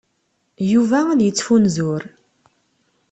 Yuba ad yettfunzur.